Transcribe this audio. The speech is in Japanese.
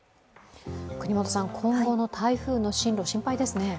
今後の台風の進路、心配ですね。